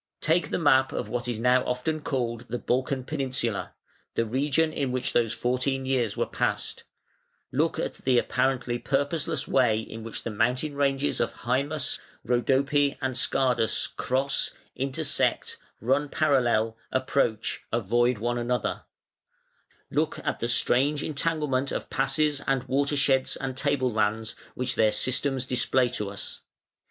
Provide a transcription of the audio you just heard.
Take the map of what is now often called "the Balkan peninsula", the region in which these fourteen years were passed; look at the apparently purpose, less way in which the mountain ranges of Hæmus, Rhodope, and Scardus cross, intersect, run parallel, approach, avoid one another; look at the strange entanglement of passes and watersheds and table lands which their systems display to us.